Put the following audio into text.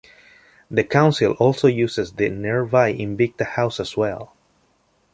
The council also uses the nearby Invicta House as well.